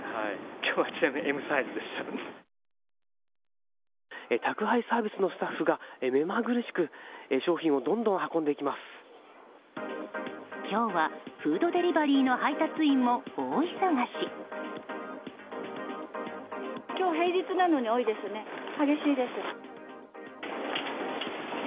今日はフードデリバリーの配達員も大忙し。